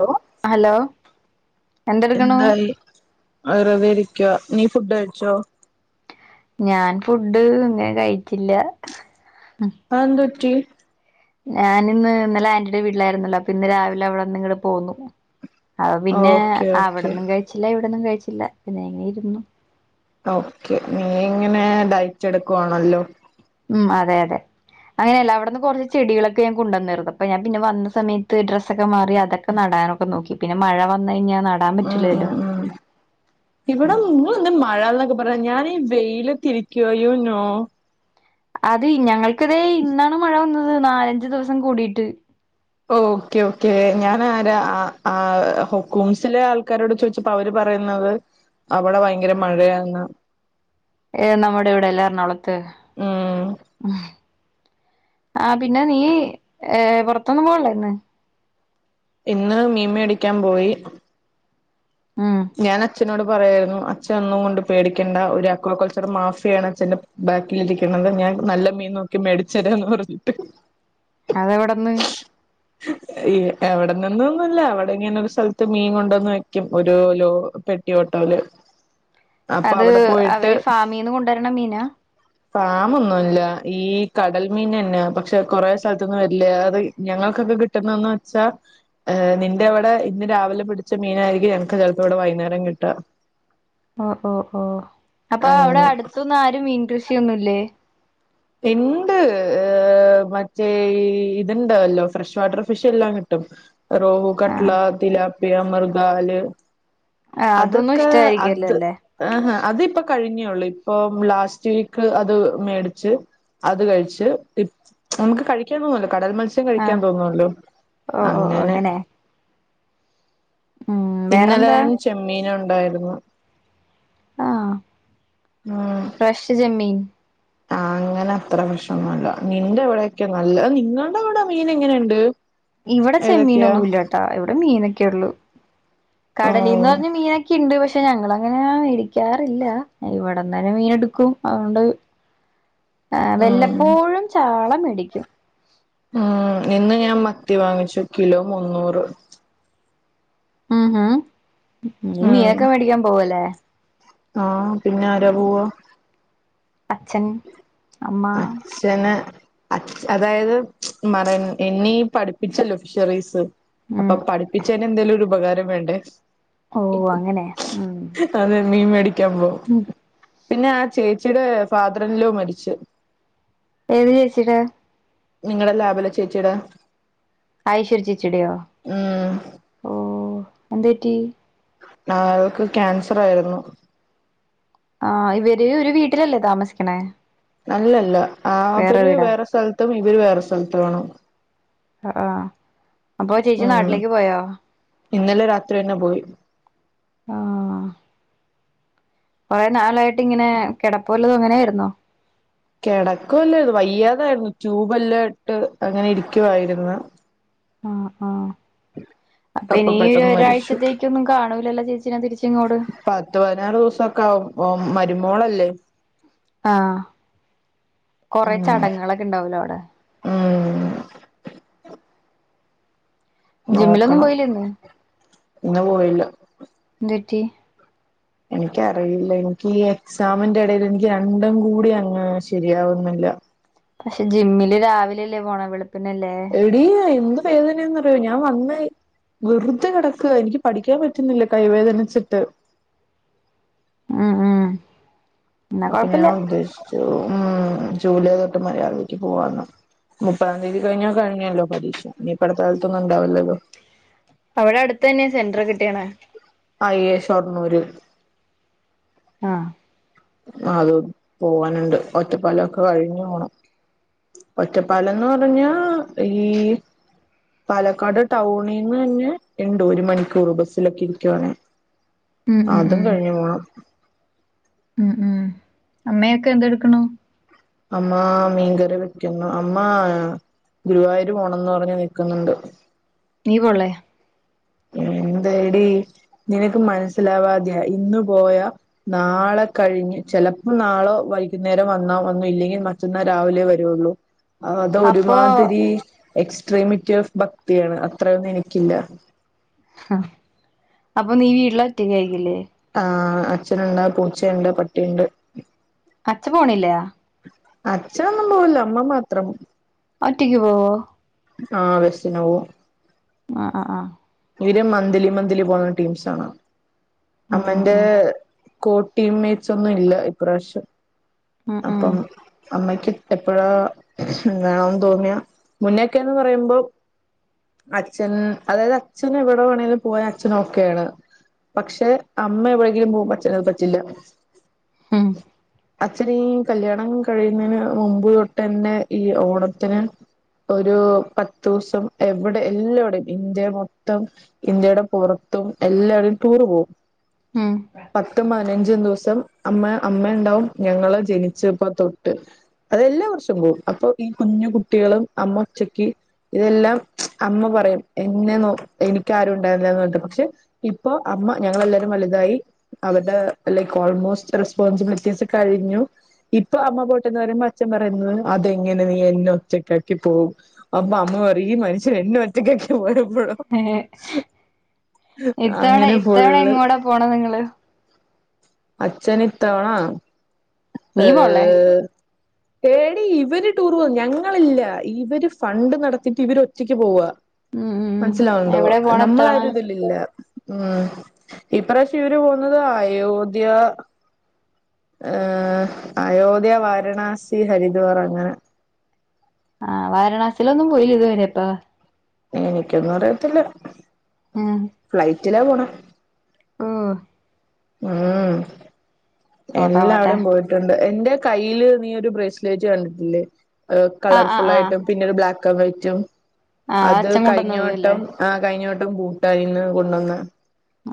Hello. Hello എന്തെടുക്കണു എന്തായി വെറുതെരിക്ക നീ ഫുഡ്ഡ് കഴിച്ചോ? ഞാൻ ഫുഡ് ഇങ്ങനെ കച്ചില്ല. ആ എന്ത റ്റി. ഞാൻഇന്നലെആന്റിയുടെവീട്ടിലായിരുന്നല്ലോ? അപ്പൊ ഇന്ന് രാവിലെ അവിടെന്ന് ഇങ്ങടെ പോന്നു. അപ്പ. പിന്നെ ഓക്കെ ഓക്കെ അവിടന്നും കഴിച്ചില്ല ഇവിടന്നും കഴിച്ചില്ല പിന്നെ എങ്ങനെ ഇരുന്നു. ഓക്കെ. നീ ഇങ്ങനെ ഡയറ്റെടുക്കുവാണല്ലോ ഉം അതെ അതെ അങ്ങനെയല്ല അവിടുന്ന് കുറേ ചെടികളൊക്കെ ഞാൻ കൊണ്ടന്നാരുന്നു അപ്പൊ ഞാൻ പിന്നെ വന്ന സമയത്ത് ഡ്രസ്സൊക്കെ മാറി അതൊക്കെ നട നടാനൊക്കെ നോക്കി പിന്നെ മഴ വന്ന് കഴിഞ്ഞാൽ നടാൻ ഉം പറ്റൂലല്ലോ ഉം ഉം ഇവിടെ നിങ്ങൾ എന്താ മഴാന്നൊക്കെ പറയാ ഞാന് വെയിലത്തിരിക്കുവ യൂ നോ അത് ഞങ്ങൾക്കിതേ ഇന്നാണ് മഴ വന്നത് നാലഞ്ച് ദിവസം കൂടിയിട്ട് ഓക്കെ ഓക്കെ ഞാൻ ആരാ ആ ഹുക്കൂംസിലെ ആൾക്കാരോട് ചോദിച്ചപ്പോ അവര് പറയുന്നത് അവിടെ ഭയങ്കര മഴയാന്നാ ഏയ് നമ്മുടെ ഇവിടെല്ല എറണാകുളത്ത് ഉം ഉം ആഹ് പിന്നെ നീ ഏ പുറത്തൊന്നും പോവണില്ലേ ഇന്ന് ഇന്ന് മീൻ മേടിക്കാൻ പോയി ഉം ഞാന് അച്ഛനോട് പറയായിരുന്നു അച്ഛൻ ഒന്നും കൊണ്ട് പേടിക്കണ്ട ഒരു അക്രോ കൊളച്ചറ് മാഫിയാണ് അച്ഛന്റെ ബാക്കിൽ ഇരിക്കണത് അത് ഞാൻ നല്ല മീൻ നോക്കി മേടിച്ചരാന്ന് പറഞ്ഞിട്ട് അതെവിടുന്ന് എവിടെന്നൊന്ന് ഒന്നുമല്ല അവിടെ ഇങ്ങനെ ഒരു സ്ഥലത്ത് മീൻ കൊണ്ടുവന്ന് വെയ്ക്കും ഒരുലോ പെട്ടി ഓട്ടോല് അത് അവര് ഫാമീന്ന് കൊണ്ടുവരണ മീനാ ഫാം ഒന്നുമല്ല ഈ കടൽമീൻ തന്നെയാ പക്ഷെ കൊറെ സ്ഥലത്തൊന്നും വരില്ല അത് ഞങ്ങൾക്ക് കിട്ടുന്നുന്ന് വെച്ചാൽ നിന്റെ അവിടെ ഇന്ന് രാവിലെ പിടിച്ച മീനായിയിരിക്കും മീനായിരിക്കും ചിലപ്പോ ഇവിടെ വൈകുന്നേരം കിട്ടുക ഓ ഓ ഓ അപ്പൊ അവിടെ അങ്ങനെ അടുത്തൊന്നും ആരും മീൻ കൃഷിയൊന്നും ഇല്ലേ എന്ത് മറ്റേ ഇതുണ്ടല്ലോ ഫ്രഷ് വാട്ടർ ഫിഷ് എല്ലാം കിട്ടും റോഹ് ആഹ് കട്ട്ല തിലാപ്പി അമർദാല് ആഹ് അതൊന്നും അതൊക്കെ ഇഷ്ടായിരിക്കല്ലോ അത് അല്ലേ ആഹ് അത്പ്പ കഴി കഴിഞ്ഞേയുള്ളൂ ഇപ്പം ലാസ്റ്റ് വീക്ക് അത് മേടിച്ച് അത് കഴിച്ച് നമുക്ക് കഴിക്കാൻ തോന്നുവല്ല കടൽ മത്സ്യം കഴിക്കാൻ ആഹ് തോന്നുവല്ലോ ഓ ഓ അങ്ങനെ ഉം വേറെന്താ ഇന്നലെയും ചെമ്മീൻ ഉണ്ടായിരുന്നു ആഹ് ഫ്രഷ് ചെമ്മീൻ അങ്ങനെ അത്ര ഫ്രഷ് ഒന്നുമല്ല നിന്റെ ഇവിടൊക്കെ നല്ല നിങ്ങൾടെ അവിടെ മീൻ എങ്ങനെയുണ്ട് ഇവിടെ ഏതൊക്കെയാ ചെമ്മീനൊന്നും ഇല്ല കേട്ടോ ഇവിടെ മീനൊക്കെയുള്ളു കടലീന്ന് ഓഹ് വന്ന മീനൊക്കെ ഉണ്ട് പക്ഷെ- ട്ടെ ഞങ്ങളങ്ങനെ മേടിക്കാറില്ല ഇവിടുന്ന് തന്നെ മീൻ എടുക്കും അതുകൊണ്ട് ആഹ് ഉം വല്ലപ്പോഴും ചാള മേടിക്കും ഉം ഇന്ന് ഞാൻ മത്തി വാങ്ങിച്ചു കിലോ മുന്നൂറ് ഉം ഉം നീ ഉം മീനൊക്കെ മേടിക്കാൻ പോവല്ലേ ആഹ് പിന്നെ ആരാ പോവാ അച്ഛൻ അമ്മ അച്ഛന് അച്ഛ അതായത് മറയിൻ എന്നെയീ പഠിപ്പിച്ചല്ലോ ഫിഷറീസ് ഉം അപ്പം പഠിപ്പിച്ചേന് എന്തേലും ഒരു ഉപകാരം വേണ്ടേ ഓഹ് അങ്ങനെ ഉം അതെ മീൻ മേടിക്കാൻ പോവും ഉം പിന്നെ ആ ചേച്ചിയുടെ ഫാദറിൻ ലോ മരിച്ച് ഏത് ചേച്ചിടെ നിങ്ങടെ ലാബിലെ ചേച്ചീടെ ഐശ്വര്യ ചേച്ചിടെയോ ഉം ഓഹ് എന്ത് പറ്റി ആൾക്ക് ക്യാൻസർ ആയിരുന്നു ആഹ് ഇവര് ഒരു വീട്ടിലല്ലേ താമസിക്കണെ അല്ലല്ല അവര് വേറെ സ്ഥലത്തും ഇവര് വേറെ സ്ഥലത്തും വേണം അഹ് ആഹ് അപ്പോ ചേച്ചി ഉം നാട്ടിലേക്ക് പോയോ ഇന്നലെ രാത്രി ന്നെ പോയി ആഹ് കൊറേ നാളായിട്ട് ഇങ്ങനെ കിടപ്പ്‌ വല്ലതും ങ്ങനെയാരുന്നോ? കേടക്കുവല്ലാരുന്നു വയ്യാതാരുന്നു ട്യൂബ് എല്ലാം ഇട്ട് അങ്ങനെ ഇരിക്കുവായിരുന്നു ആഹ് ആഹ് അപ്പ അപ്പൊ ഇനീ ഒരു പെട്ടെന്ന് മരിച്ചു ഒരാഴ്ചത്തേക്ക്‌ ഒന്നും കാണൂലല്ലോ ചേച്ചീനെ തിരിച്ചിങ്ങോട് പത്ത് പതിനാറ് ദിവസംക്കെ ആവും ഓം മരുമോളല്ലേ ആഹ് കൊറെ ഉം ചടങ്ങുകളൊക്കെ ഉണ്ടാവ് ലോ അവ്ടെ ഉം ജിമ്മിലൊന്നും നോക്കണം പോയില്ലേ ഇന്ന് ഇന്ന് പോയില്ല എന്ത്‌റ്റി എനിക്കറിയില്ല എനിക്ക് ഈ എക്സാമിന്റെ എടെല് എനിക്ക് രണ്ടും കൂടി അങ്ങ് ശെരിയാവുന്നി ല്ല പഷേ ജിമ്മില് രാവിലെല്ലേ പോണെ വെള് എടിയെ എന്ത് വേദനന്ന് അറിയോ ഞാൻ വന്നയ് വെറുതെ കെടക്കാ എനിക്ക് പഠിക്കാൻ പറ്റുന്നില്ല കൈവേദനിച്ചിട്ട് ഉം ഉം എന്നാ അപ്പോ ഞാൻ കൊഴപ്പില്ല ഉദ്ദേശിച്ചു ഉം ജൂലൈ തൊട്ട് മര്യാദക്ക് പോവാന്ന് മുപ്പതാം തീയതി കഴിഞ്ഞാ കഴിഞ്ഞല്ലോ പരീഷ ഇനി ഇപ്പഅടുത്ത കാലത്തൊന്നുംണ്ടാവില്ലല്ലോ അവിടെ അടുത്ത് തന്നെ സെന്റർ കിട്ടിയണേ അയ്യേ ഷൊർണുര് ആഹ് അത് പോവാന്ണ്ട് ഒറ്റപ്പലൊക്കെ കഴിഞ്ഞ് പോണം ഒറ്റപ്പാലംന്ന് പറഞ്ഞാ ഈഹ് പാലക്കാട് ടൗണിന്ന് തന്നെ ഇണ്ട് ഒരു മണിക്കൂർ ബസ്സിലൊക്കെ ഇരിക്കുവാണെ ഉം ഉം അതും ഉം കഴിഞ്ഞു പോണം ഉം ഉം അമ്മയൊക്കെ എന്ത്‌ എടുക്കണു അമ്മ മീൻങ്കറി വെക്കുന്നു അമ്മ ഗുരുവായൂര് പോണംന്ന് പറഞ്ഞ് നിക്ക്‌ന്ന്ണ്ട് നീ പോൺലെ എന്തേടി നിനക്ക് മനസ്സിലാവാതെയാ ഇന്ന് പോയ നാളെ കഴിഞ്ഞ് ചെലപ്പോ നാളെ വൈക്ന്നേരം വന്നാ വന്നു ഇല്ലെങ്കി മറ്റന്നാ രാവിലെ വരുവൊള്ളൂ ആഹ് അത് അപ്പൊ ഒര്മാതിരി എക്സ്ട്രീമിറ്റി ഓഫ് ഭക്തിയാണ് അത്രയൊന്നും എനിക്കില്ല ആഹ് അപ്പോ നീ വീട്ടില് ഒറ്റക്ക്‌ ആരിക്കില്ലേ ആ അച്ഛനൊണ്ട് പൂച്ചയുണ്ട് പട്ടിയുണ്ട് അച്ച പോണില്ലാ അച്ഛനൊന്നും പോവൂല അമ്മ മാത്രം ഒറ്റയ്ക്ക് പോവൊ? ആഹ് ബസ്സിന് പോകും ആ ആ ആഹ് ഇവര് മന്ത്ലി മന്ത്ലി പോണ ടീംസാണ്. ഉം അമ്മന്റെ ഉം കോ ടീം മേറ്റ്സ് ഒന്നും ഇല്ല ഇപ്രാശം. ഉം ഉം അപ്പം അമ്മയ് ക്ക് എപ്പഴാ വേണന്ന് തോന്നിയാ മുന്നക്കെന്ന് പറയുമ്പം അച്ഛൻ അതായത് അച്ഛൻ എവിടെ വേണെലും പോവാൻ അച്ഛൻ ഒക്കെയാണ് പക്ഷേ അമ്മ എവിടെങ്കിലും പോവുമ്പം അച്ഛന് അത് പറ്റില്ല ഉം അച്ഛന് ഈ കല്യാണം കഴിയുന്നതിന് മുമ്പ് തൊട്ട്ന്നെ ഈ ഓണത്തിന് ഒരു പത്തൂസം എവിടെ എല്ലാടെയും ഇന്ത്യ മൊത് ത്തം ഇന്ത്യടെ പൊറത്തും എല്ലാടെയും ടൂറ് പോവും. ഉം പത്തും പതിനഞ്ച് ഞ്ചും ദിവസം അമ്മ അമ്മയ്ണ്ടാവും ഞങ്ങള് ജനിച്ചപ്പ തൊട്ട് അതെല്ലാ വർഷം പോവും. അപ്പൊ ഈ കുഞ്ഞു കുട്ടികളും അമ്മ ഒറ്റക്ക് ഇതെല്ലാം അമ്മ പറയും എന്നെ നോ എനിക്കാരും ഉണ്ടാവില്ല പറഞ്ഞിട്ട് പക്ഷെ ഇപ്പൊ അമ്മ ഞങ്ങളെല്ലാരും വലുതായി അവരുടെ ലൈക് ഓൾമോസ്റ്റ് റെസ്പോൺസിബിലിറ്റീസ് കഴിഞ്ഞു. ഇപ്പൊ അമ്മ പോട്ടെന്ന് പറയുമ്പോ അച്ഛൻ പറയുന്നത് അതെങ്ങനെ നീ എന്നെ ഒറ്റക്കാക്കി പോകും. അപ്പൊ അമ്മ പറയും ഈ മനുഷ്യൻ എന്നെ ഒറ്റക്കാക്കി പോയപ്പോ ഇത്തവണ അങ്ങനെ ഇത്തവണ പൊള്ള് എങ്ങോടാ പോണ നിങ്ങള് അച്ഛനിത്തവണ നീ പോളേ ഏഹ് എടി ഇവര് ടൂർ പോവും. ഞങ്ങളില്ല. ഇവര് ഫണ്ട് നടത്തിട്ട് ഇവര് ഒറ്റയ്ക്ക് പോവാ ഉം ഉം ഉം മനസ്സിലാവ്ണ്ടോ? എവിടെ പോണ ഇത്തവണ നമ്മളാരും ഇതിലില്ല ഉം ഈ പ്രാവശ്യം ഇവര് പോന്നത് അയോധ്യ ഈഹ് അയോധ്യ വാരണാസി ഹരിദ്വാർ അങ്ങനെ ആ വാരണാസീലൊന്നും പോയില്ല ഇതുവരെ അപ്പ എനിക്കൊന്നും അറിയത്തില്ല ഉം ഫ്ലൈറ്റിലാ പോണെ ഓഹ് ഉം പോട്ടെ പോട്ടെ എല്ലാവിടെയും പോയിട്ടുണ്ട് എന്റെ കയ്യില് നീ ഒരു ബ്രേസ്ലൈറ്റ് കണ്ടിട്ടില്ലേ? ആഹ് കളർഫുൾ ആഹ് ആഹ് ആയിട്ടും പിന്നെ ഒരു ബ്ലാക്ക് ക്കാൻ വൈറ്റും. ആ അത് അച്ഛൻ കൊണ്ടുവന്നത് അല്ലേ കഴിഞ്ഞവട്ടം ആ കഴിഞ്ഞ വ ട്ടം ഭൂട്ടാനീന്ന് കൊണ്ടുവന്നയാ.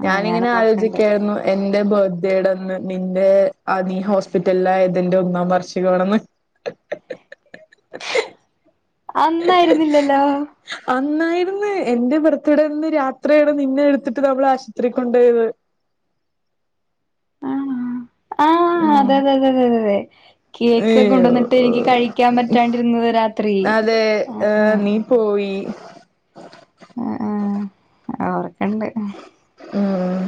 ആ ഞാൻ ഞാനിങ്ങനെ ഓർക്കണ്ട് ആലോചിക്കായിരുന്നു എന്റെ ബർഡേടന്ന് നിന്റെ ആ നീ ഹോസ്പിറ്റലിലായതിന്റെ ഒന്നാം വാർഷികാണെന്ന് [inaudible] അന്നായിരുന്നില്ലല്ലോ? അന്നായിര്ന്ന്. എന്റെ ബർത്ത്ഡേന്ന് രാത്രിയാണ് നിന്നെ എടുത്തിട്ട് നമ്മളാശുപത്രി കൊണ്ടോയത് ആണാ? ആഹ് ഉം അതെ അതെ അതെ തെ കേക്ക് അയ്യോ കൊണ്ടുവന്നിട്ട് എനിക്ക് കഴിക്കാൻ പറ്റാണ്ടിരുന്നത് രാ രാത്രി അതെ ആ ആ ഏഹ് നീ പോയി ആ ആ ഓറൊക്കെ ണ്ട് ഊം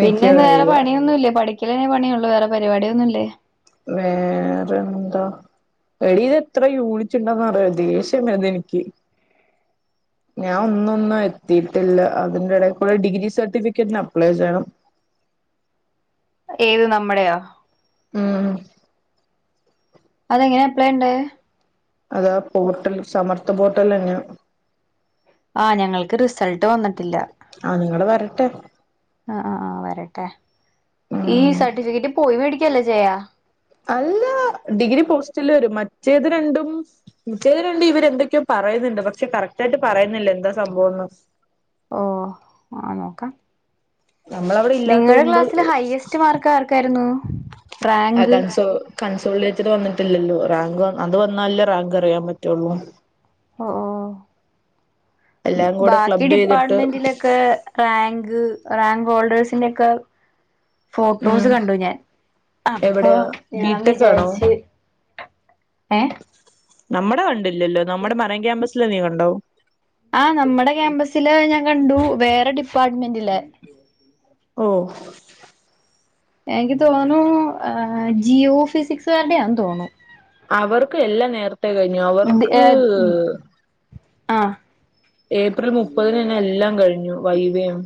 പിന്നെന്ന് വേറെ പണിയൊന്നുംല്ലേ പഠിക്കലന്നെ പണിയൊള്ളൂ വേറെ പരിപാടിയൊന്നുല്ലേ വേറെന്താ എടി ഇത് എത്ര യൂണിറ്റുണ്ടെന്ന് അറിയോ ദേഷ്യം വരുന്നു എനിക്ക് [inaudible] ഞാൻ ഒന്നൊന്നും എത്തിയിട്ടില്ല അതിന്റെ ഇടയിൽ കൂടെ ഡിഗ്രി സർട്ടിഫിക്കറ്റിന് അപ്ലൈ ചെയ്യണം ഏത് നമ്മടെയാ ഉം അതെങ്ങനെ അപ്ലൈ ഉണ്ട് അതാ പോോർട്ടൽ സമർത്ഥ ബോട്ടൽ തന്നെയ ആഹ ഞങ്ങൾക്ക് റിസൾട്ട് വന്നിട്ടില്ല ആ നിങ്ങള് വരട്ടെ ആ ആ് വരട്ടെ ഈ ഉം സർട്ടിഫിക്കറ്റ് പോയി മേടിക്കല്ലോ ചെയയാ അല്ല ഡിഗ്രി പോസ്റ്റൽ വരും മറ്റേത് രണ്ടും മറ്റേത് രണ്ടും ഇവരെന്തൊക്കെയോ പറ പറയുന്നുണ്ട് പക്ഷെ കറക്റ്റ് ആയിട്ട് പറയുന്നില്ല എന്താ സംഭവംന്ന് ഓ ആ നോക്കാം നമ്മളവിടെ നിങ്ങളുടെ ഇല്ലാത്തോണ്ട് ക്ലാസ്സില് ഹയ്യസ്റ്റ് മാർക്ക് ആർക്കായിരുന്നു ആ റാങ്ക് കൺസോ കൺസോളിലേറ്റെഡ് വന്ന് പല്ലല്ലോ റാങ്ക് അത് വന്നാലേ റാങ്ക് അറിയാൻ പറ്റുള്ളൂ ഒ ഓ എല്ലാം കൂടെ ബാക്കി ക്ലബ് ചെയ്തിട്ട് ഡിപ്പാർട്ട്മെന്റിലൊക്കെ റാങ്ക് റാങ്ക് ഹോൾഡേഴ് സിന്റൊക്കെ ഉം ഫോട്ടോസ് കണ്ടു ഞാൻ അപ്പൊ എവിടെയാ ഞാൻ ബിടെക് ആണോ വിചാരിച്ച് ഏ നമ്മുടെ വണ്ട് കണ്ടില്ലല്ലോ ആ നമ്മുടെ ക്യാമ്പസ്സിൽ ഞാൻ കണ്ടു വേറെ ഡിപ്പാട്ട്മെന്റില്. ഓ. എനിക്ക് തോന്നുണൂ ഏ ജിയോ ഫിസിക്സ്കാരുടെയാന്ന് തോന്നു അവർക്ക് എല്ലാം നേരത്തെേ കഴിഞ്ഞു അവർക്ക് ആഹ്. ഏപ്രിൽ മുപ്പതിനെന്നെ എല്ലാം കഴിഞ്ഞു വൈവേം.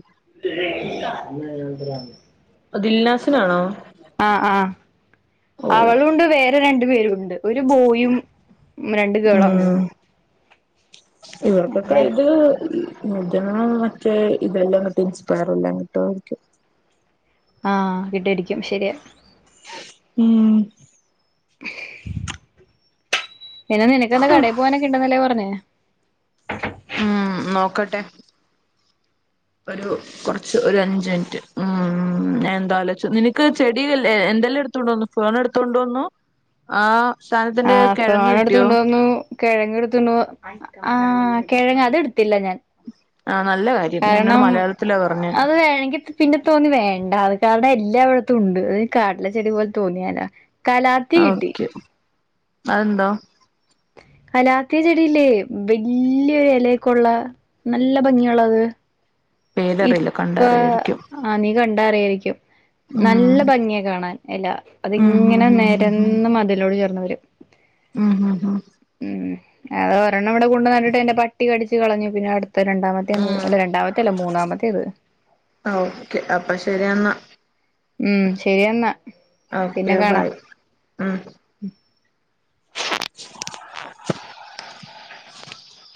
[unintelligible] ദിൽനാസിനാണോ? ആ ആ ഓ അവളുണ്ട് [unintelligible] പേരുണ്ട് ഒരു ബോയും രണ്ട് ഗേളാ ഉം തോ ഇവർക്കൊക്കെ ഇത്. [unintelligible] മറ്റേ ഇതെല്ലാം കിട്ടി ഇൻസ്പയർ അല്ലാഞ്ഞിട്ടോ ക്കേ. ആഹ് [unintelligible] ശെരിയാ. ഉം. പിന്നെ നിനക്കെന്താ കടയി പോവാനൊക്കെ ഇണ്ടന്നല്ലേ പറഞ്ഞേ? ഉം നോക്കട്ടെ. ഒരു കുറച്ച് ഒരു അഞ്ച്മിനിറ്റ് ഉം ഉം ഞാൻ എന്താലോച്ചു നിനക്ക് ചെടി [unintelligible] എന്തെല്ലാം എടുത്തോണ്ട് വന്നു ഫോൺ എടുത്തോണ്ട് വന്നു ആ ആ സാധനത്തിന്റെ കിഴങ്ങ് ഫോൺ എടുത്ത് കിട്ടിയോ കൊണ്ടുവന്നു കെഴങ്ങ് ഇട്ത്ത് ണ്ടൊ ആ കിഴങ്ങ് അത്ടു ത്തില്ല ഞാൻ. ആ നല്ല കാര്യം എന്നോട് കാരണം മലയാളത്തിലാ പറഞ്ഞെ അത് വേണങ്കിക്കൊ പിന്നെ തോന്നു വേണ്ടാന്ന് കാരണം എല്ല ല്ലവിട്ത്തു ഉണ്ട് അതയിന് കാട്ടിലെ ചെടി പോൽ തോന്നിയാലാ കലാത്തി കിട്ടി. അഎന്താ? [inaudible] അലാത്തി ചെടിയില്ലേ വല്ലിയൊരു എലയുക്കുള്ള നല്ല ഭംഗിയുള്ളത്. പേരറിയില്ല കണ്ടാ ഇപ്പാ അറിയായിരിക്കും ആ നീ കണ്ട അറിയായിരിക്കും. നല്ല ഉം ഭംഗിയാ കാണാൻ എല ഉം ഹും അതിങ്ങനെ ഹും നെരന്ന് മതിലോട് ചേർന്ന് [inaudible] ഉ ഹ്മ് ഹ്മ്. ഉം അത് ഒരെണ്ണം ഇവിടെ കൊണ്ടു നട്ടിട്ട് ന്റെ പട്ടി കടിച്ച് കളഞ്ഞു പിന്നെ അടു [unintelligible] രണ്ടാമത്തെയാണ് ഇത് ഉം അല്ല രണ്ടാമത്തല്ല മൂന്നാമ ഓക്കെ അപ്പൊ ശെരിയെന്നാ. ഉം ശെരിയെന്നാ. ഓക്കെ ബൈ ഉം. [inaudible]